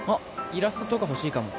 イラストとか欲しいかも。